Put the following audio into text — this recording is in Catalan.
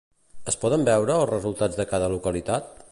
Es poden veure els resultats de cada localitat?